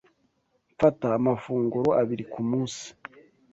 Mfata amafunguro abiri ku munsi